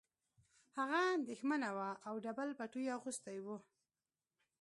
هغه اندېښمنه وه او ډبل پټو یې اغوستی و